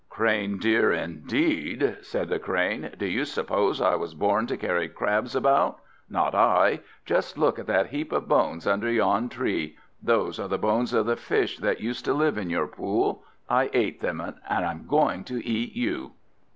"Crane dear, indeed!" said the Crane, "do you suppose I was born to carry crabs about? Not I! Just look at that heap of bones under yon tree! Those are the bones of the fish that used to live in your pool. I ate them, and I'm going to eat you!"